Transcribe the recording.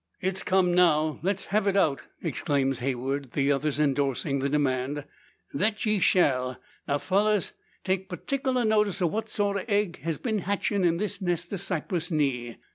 "It's come now; let's hev it out!" exclaims Heywood; the others endorsing the demand. "Thet ye shall. Now, fellurs; take partikler notice o' what sort o' egg hez been hatchin' in this nest o' cypress knee."